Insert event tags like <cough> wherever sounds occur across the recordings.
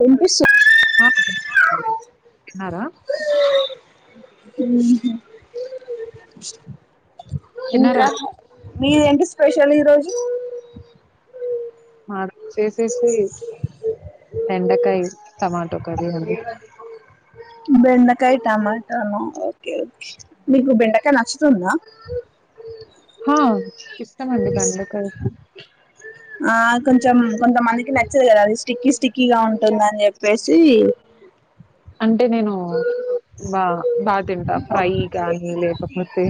వినిపిస్తు ఉ తిన్నారా ఉహూ తిన్నారా? ఇంకా మీదేంటి స్పెషల్ ఈరోజు మాద చేసేసి బెండకాయ్ టమాటో కర్రీ అండి టమాటాను ఓకే మీకు బెండకాయ నచ్చుతుందా హా ఇష్టమండి బెండకాయ్ ఆ కొంచెం కొంతమందికి నచ్చదు కదా అంది స్టిక్కీ స్టిక్కీగా ఉంటుందని చెప్పేసి అంటే నేను బా బాతింటా ఫ్రై గాని లేకపోతే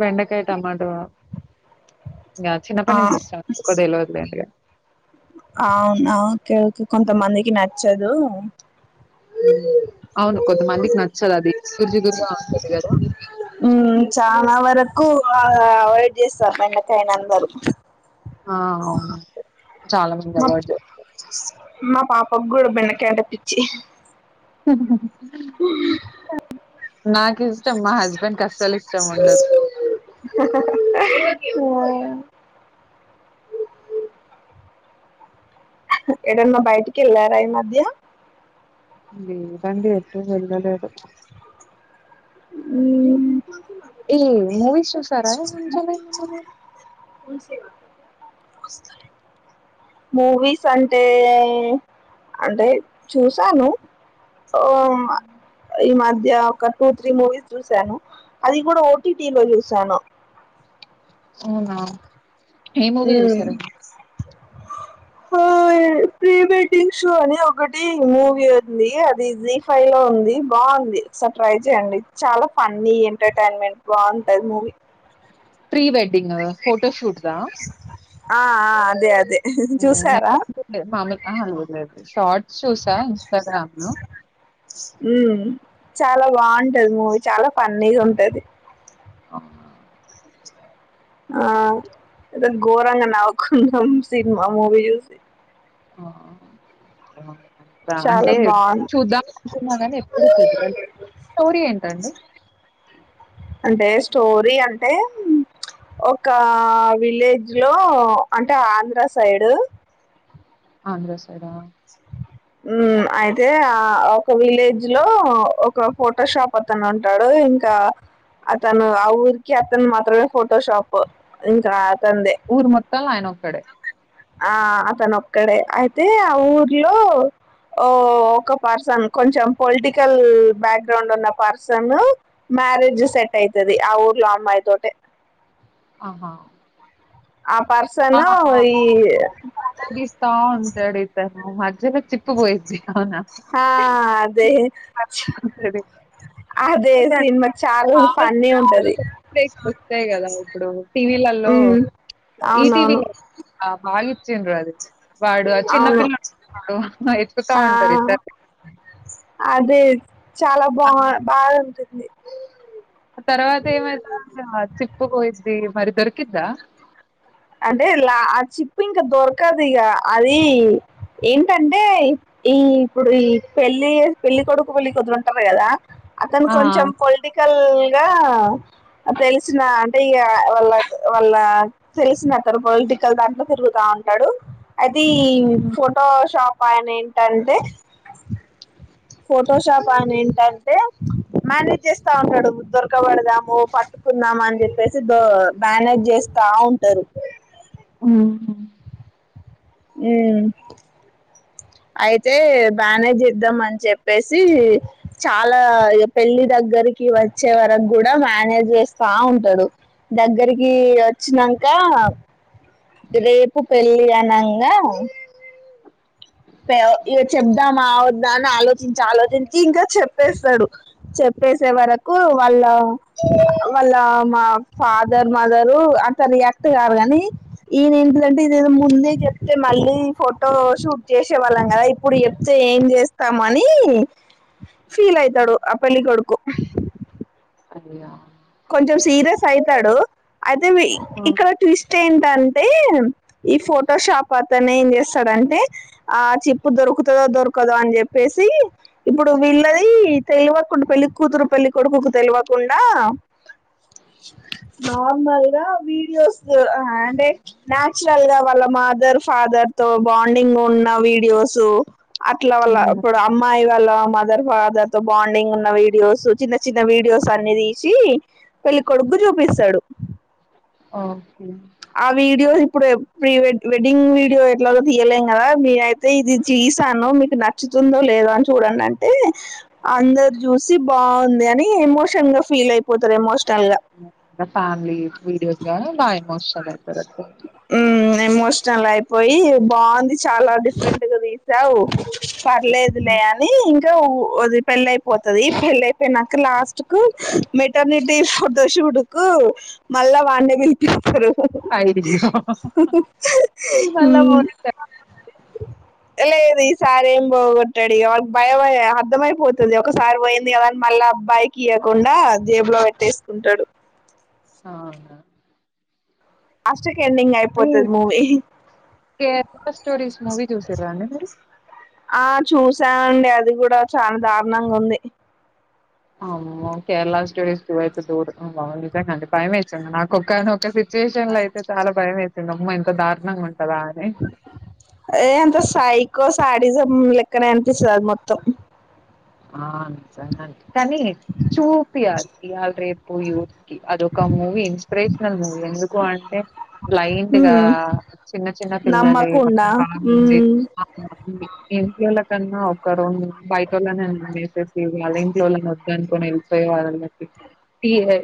బెండకాయ్ టమాటొ గా ఆ చిన్నప్పటి నుంచి ఇష్టం ఎందుకో తెలవదు బెండకాయ అవునా ఓకే ఓకే కొంతమందికి నచ్చదు హ్మ్ అవును కొంత మందికి నచ్చదది జిగురు జిగురుగా ఉంటది కదా నకు ఆ అవాయిడ్ చేస్తారు బెండకాయని అందరు ఆ అవునండి చాలా మంది అవాయిడ్ చేస్తారు పాపగూడా బెండకాయ అంటే పిచ్చి హహ తని నాకీష్టం మా హస్బెండ్ కి అస్సలిష్టం ఉండదు మ్మ్ ఏడన్నా బయటికెళ్ళారా ఈ మధ్య లేదండి ఏటు వెళ్ళలేదు మ్మ్ ఏ మూవీస్ చూసారా కొంచెం ఏమన్ అద మూవీస్ అంటే అంటే చూసాను ఓ అమ్మ ఈ మధ్య ఒక టూ త్రీ మూవీస్ చూశాను అది కూడా ఓ టి టి లో చూశాను అవునా ఏ మూవీ చూసారు హయ్ ప్రీ వెడ్డింగ్ షో అని ఒకటి మూవీ ఉంది అది జీ ఫైవ్ లో ఉంది బావుంది ఒకసారి ట్రై చేయండి చాలా ఫన్నీ ఏంట టైన్మెంట్ బాంటది మూవీ ప్రీ వెడ్డింగ్ గదా ఫోటోషూట్ దా ఆ ఆ అదే అదే చూసారా <unintelligible> ఆహా లేదు లేదు షాట్ చూసా ఇన్స్టాగ్రామ్ లో ఉమ్ చాలా బాగుంటది మూవీ చాలా ఫన్నీ గా ఉంటది అవునా ఆ ఏద ఘోరంగా నవ్వుకున్నాం సినిమా ఆ మూవీ చూసి ఆ రా చాలా అంటే బాగుంది చూద్దాం అనుకున్నా గానీ ఎప్పుడు కుదరాలే స్టోరీ ఏంటండి అ అంటే స్టోరీ అంటే ఒక విలేజ్ లో అంటే ఆంధ్ర సైడ్ ఆంధ్ర స్ క్కడ ఉమ్ అయితే ఆ ఒక విలేజ్ లో ఒక ఫోటోషాప్ అతను ఉంటాడు ఇంకా అతను ఆ ఊరికి అతను మాత్రమే ఫోటో షాప్ ఇంకా అతనిదే ఊరు మొత్తాలన ఆయన ఒక్కడే ఆ అతను ఒక్కడే అయితే ఆ ఊర్లోఓ ఒక పర్సన్ కొంచెం పొలిటికల్ బ్యాక్గ్రౌండ్ ఉన్న పర్సన్ మ్యారేజ్ సెట్ అయితుది ఆ ఊర్లో అమ్మాయి తోటే ఆహా ఆ పర్సను ఆహా ఈ ఓ మధ్యలో చిప్పు పోయిద్ది అవునా <inaudible> ఆ అదే అదే సినిమా చాలా ఫన్నీ ఉంటది వస్తాయి కదా ఇప్పుడు టీవీలలో ఉమ్ టీవీ అవునవును నైన్ <unintelligible> చ్చిండ్రు అది వాడు ఆ అవును చిన్నపిిల్లడు ఇద్దరు వెతుకుతా ఆ ఉంటారు ఇద్దరు అదే చాలా బా బాగుంటుంది ఆ తర్వాత ఏమైతాదో అ చిప్పు పోయిద్ది మరి దొరికిద్దా అంటే లా ఆ చిప్పు ఇంకా దొరకదు ఇగ అది ఏంటంటే ఈ ఇప్పుడు ఈ పెళ్లి పెళ్లికొడుకు పెళ్లికూతురు ఉంటారు కదా అతను ఆ! కొంచెం పొలిటికల్ ఇగ తెలిసిన అంటే ఇగ వాళ్ళ వాళ్ళ తెలిసిన అతడు పొలిటికల్ దాంట్లో తిరుగుతా ఉంటాడు అయి ది హ్మ్. ఫోటోషాప్ పని ఏంటంటే ఫోటోషాప్ అనే ఏంట టె మ్యానేజ్ చేస్తా ఉంటాడు దొరకబడదాము పట్టుకుందాము అని చెప్పేసి మ్యానేజ్ చేస్తా ఉ సరిపోయి ఆవునా హ్ మ్మ్ అయితే మ్యానేజ్ చేద్దాం అని చెప్పేసి చాలా పెళ్ళి దగ్గరికి వచ్చే వరకు కూడా మ్యానేజ్ చేస్తా ఉంటాడు దగ్గరికి వచ్చినాక రేపు పెళ్లి అనంగా ఇక చేప్దామా వద్దా అని ఆలోచించి ఆలోచించి ఇంకా చెప్పేస్తాడు చెప్పేసే వరకు వాళ్ళ వాళ్ళ మా ఫాదర్ మదర్ అంత రియాక్ట్ కారు కాని ఈయన ఏంటిదంటే ఇదే దో ముందే చెప్తే మళ్ళీ ఫోటో షూట్ చేసేవాళ్ళం కదా ఇప్పుడు చెప్తే ఏం చేస్తాం అని ఫీల్ అయితాడు ఆ పెళ్ళి కొడుకు అయ్యా కొంచెం సీరియస్ అయితాడు అయితే ఆ! ఇక్కడ ట్విస్ట్ ఏం ఏంటంటే ఈ ఫోటోషాప్ అతనే ఏం చేస్తాడంటే ఆ చిప్పు దొరుకుతదో దొరకదో అని చెప్పేసి ఇప్పుడు వీళ్లది తెలువకుండా పెళ్లి కూతురు పెళ్లి కొడుకుకు తెలివకుండా నార్మల్ గా వీడియోస్తో అంటే నాచురల్ గా వాళ్ళ మదర్ ఫాదర్ తో బాండింగ్ ఉన్న వీడియోస్ అట్ల వాళ్ళ హ్మ్. ఇప్పుడు అమ్మాయి వాళ్ళ మద మదర్ ఫాదర్ తో బాండింగ్ ఉన్న వీడియోస్ చిన్న చిన్న వీడియోస్ అనేది చి పెళ్లి కొడుక్కు చూపిస్తాడు ఓకే ఆ వీడియో ఇప్పుడు ప్రీ వెడ్డింగ్ వీడియో ఎట్లాగా తీయలేం కదా నేనయితే ఇది తీసాను మీకు నచ్చుతుందో లేదో అని చూడండి అంటే అందరు చూసి బాగుంది అని ఎమోషన్ గా ఫీల్ అయిపోతారు ఏమో నా ఫ్యామిలీ వీడియోస్ గా బా ఎమోషన్ <unintelligible> ఉమ్ ఎమోషనల్ అయిపోయి బాగుంది చాలా డిఫరెంట్ గా తీసావు పర్లేదులే హ్మ్. అని <unintelligible> అది పెళ్లి అయిపోతది పెళ్లి అయిపోయినాక లాస్ట్ కు మెటర్నిటీ ఫోటోషూటుకు మల్లా వాన్నికి పిలుపిస్తారు <unintelligible> అయ్యో! మళ్ళా పోయిందా? లేదు ఈ సారి ఏమ్ పోగొట్టడు ఇగ వాడికి భయం అర్ధమయిపోతుంది ఒకసారి పోయింది కదా అని మళ్ళీ అబ్బాయి కి ఇయ్వకుండా జేబులో పెట్టేసుకుంటాడు ఆహా అస్ ఎండింగ్ అయిపోతాది మూవీ <unintelligible> స్టోరీస్ మూవీ చూశారా అండి మీరు ఆ చూసా అండి అది కూడా చాలా దారుణంగా ఉంది అవును కేరళ టూ డేస్ టూ అయితే బాగుండింది భయం వేసింది నాకు ఒకానొక సిచువేషన్ లో అయితే చాలా భయం వేసింది అమ్మ ఎంత దారుణంగా ఉంట ఏంత సాయి కో శాడిజం లెక్కనే అనిపిస్తది అది మొత్తం ఆ నిజంగానే కానీ చూపియ్యాలి ఇవాళ రేపు యూత్ కి అది ఒక మూవీ ఇన్స్పిరేషనల్ మూవీ ఎందుకు అంటే బ్లైండ్గా హ్మ్ చిన్న చిన్న పిల్లలే నమ్మకుండా మ బాగుండే హ్మ్ <unintelligible> కన్నా ఒక <unintelligible> <unintelligible> వాళ్ళ ఇంట్లో వాళ్ళని వద్దు అనుకొని వెళ్ళిపోయే వాళ్ళకి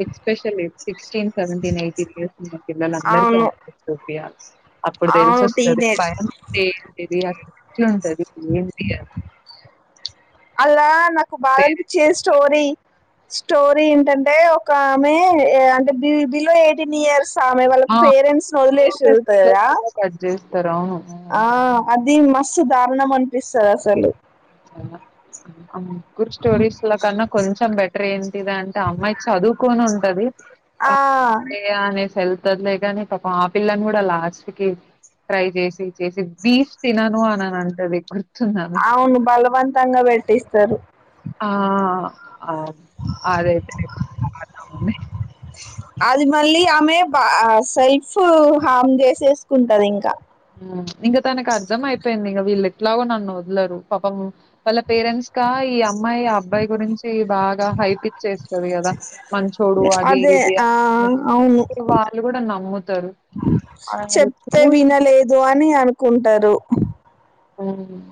special sixteen seventeen eighteen year ఉన్న పిల్లల అందరికి అవును ప్రియా అప్పుడు తెలుసి అవును వస్తది టీనేజ్ భయం చే ఉంటది ఏంది అసల అలా నా నాకు బాధ పేరెంట్స్ అనిపించింది స్టోరీ స్టోరీ ఏంటంటే ఒక ఆమె అంటే బి బిలో ఎయిటీన్ ఇయర్స్ ఆమె వాళ్ళ ఆ పేరెంట్స్ ని వదిలేసి స్పీకర్ స్పీకర్స్ వెళ్తాదా కింద కట్ చేస్తారు అవును ఆ అది మస్తు దారుణం అనిపిస్తుంది అసలు అ అనుకున్ ముగ్గురు స్టోరీస్ లో కన్నా కొంచెం బెటర్ ఏంటిది అంటే అమ్మాయి చదువుకొని ఉన్ కది ఆ అంటే ఆమె లే కానీ పాపం ఆ పిల్లని కూడా లాస్ట్ కి ట్రై చేసి చేసి బీఫ్ తినను అని అని అంటది స్తున్నాము ఎక్కువ బవంతంగా పెటిస్తారు ఆ అది అయితే బాధగా అది మళ్ళీ ఆమె బ సెల్ఫ్ హార్మ్ చేసేసుకుంటది ఇంకా ఉ ఇంగ తనకు అర్థం అయిపోయింది ఇంకా వీళ్ళకి ఎట్లాగో నన్ను వదలరు పాపం వాళ్ళ పేరెంట్స్ ఆ ఈ అమ్మాయి అబ్బాయి గురించి బాగా హైప్ ఇచ్చేస్తది కదా మంచోడు అది అదే ఇది ఆ అవును వాళ్ళు కూడా నమ్ముతారు అడ చూసి దో అని అనుకుంటారు ఉమ్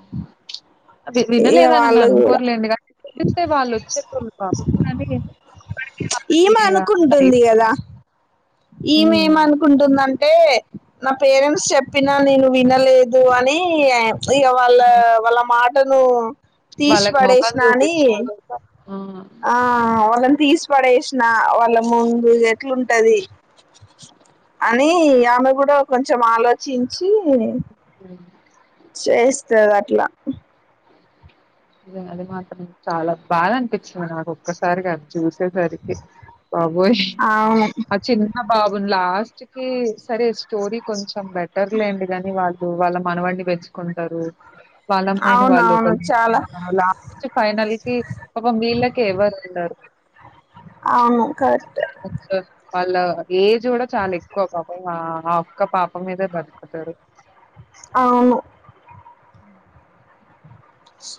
అ ఇగ వినలేదనిని వాళ్ళు కూడా అనుకోర్లేం కానీ చూస్తే వాళ్ళు వచ్చేళు బప కానీ అప్పడికి ఈమె వాళ్ళకి ఇమేమీ హ్మ్. అనుకుంటున్నా అంటే నా పేరెంట్స్ చెప్పినా నేను వినలేదు అని అయ్య వాళ్ళ వాళ్ళ మాట థాను వాళ్ళక్ మొకం చూపించుకోలేక ఆ వాళ్ళని పడేసిన వాళ్ళ ముందు ఎట్లుంటది అని ఆమె కూడా కొంచెం ఆలోచించి ఉమ్ చేయిస్థాది అక్ ట్లా అదే అది మాత్రం చాలా బాధన్పి సారి నాకు ఒక్కసారిగా ఆది చూసేసరికి బాబోయ్ అవును ఆ చిన్న బా గున్ లాస్ట్ కి సరే చ్ స్టోరీ కొంచెం బెటర్ లేండి గానీ వాళ్ళు వాళ్ళ మనవడిని పెంచుకుంటారు వాళ్ళమ్మాయిని అవునవును వాళ్ళొకల్ని చాలా లాస్ట్ ఫైనల్ కి పాపం వీళ్ళకి ఎవరు ఉండరు అవును కరెక్ట్ వాళ్ళ ఏజ్ కూడా చాలా ఎక్కువ పాపం ఆ అక్క పాప మీదే బతుకుతారు అవును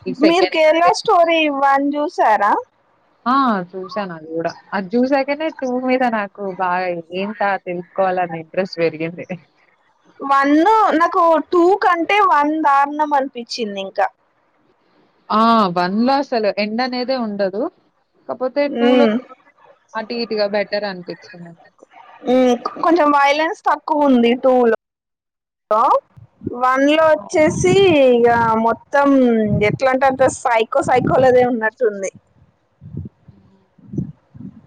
ఈ మీరు కేరల సెకండ్ స్టోరీ వన్ చూసారా ఆ చూసాను అది కూడా అది చూసాకనే టూ మీద నాకు బాగా ఏంత తెలుసుకోవాలన్న ఇంట్రెస్ట్ పెరిగింది వన్ నాకు టూ కంటే వన్ దారుణం అనిపించింది ఇంకా ఆ వన్ ల అసలు ఎండ అనేదే ఉండదు కాకపోతే టూ లో మ్మ్ అటు ఇటుగా బెటర్ అనిపిస్తుంది నాకు మ్మ్ కొంచెం వైలెన్స్ ఉంది టూ లో హ వన్ లో అవును. వచ్చేసి ఇక మొత్తం ఎట్లా అంట అంట సైకో సైకో దే ఉన్నట్టుంది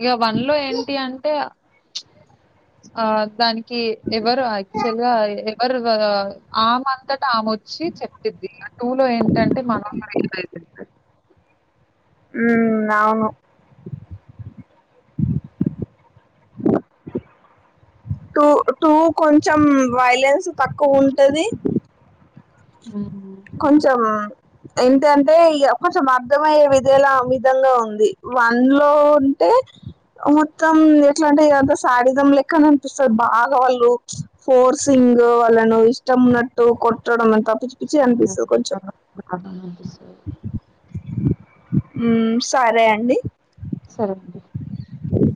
ఇక వన్ లో ఏంటి అంటే ఆ దానికి ఎవరు యాక్చువల్ గా మరి ఆమె అంతటా ఆమె వచ్చి చెప్పిద్ది అ టూ లో ఏంటంటే మనం ఉ అవును టూ టూ కొంచెం వైలెన్స్ తక్కువ ఉంటది హ్మ్. కొంచంచం ఏంటంటే ఇ కొంచెం అర్ధమయ్యే విధల విధంగా ఉంది వన్ లో ఉంటే మహూర్తం ఇట్లాంటి కదా శారీధం లెక్క అనిపిస్తుంది బాగా వాళ్ళు ఫోర్సింగ్ వాళ్ళను ఇష్టం ఉన్నట్టు కొట్టడం పిచ్చి పిచ్చి అనిపిస్తది కొంచెం స ఉ సరే అండి సరే అండి అ